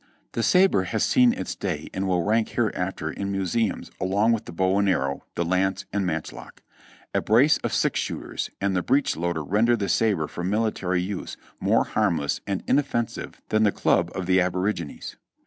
The sabre has seen its day and will rank hereafter in museums along with the bow and arrow, the lance and matchlock. A brace of six shooters and the breechloader render the sabre for military use more harmless and inoffensive than the club of the abo rigines.